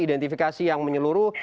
identifikasi yang menyeluruh